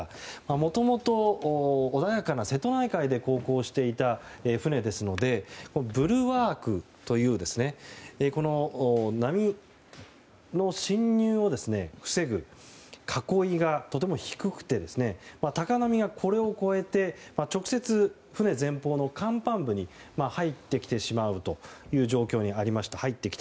もともと、穏やかな瀬戸内海で航行していた船ですのでブルワークという波の侵入を防ぐ囲いがとても低くて高波がこれを越えて直接、船前方の甲板部に入ってきてしまったという状況にありました。